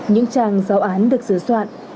những trang giáo án được sử dụng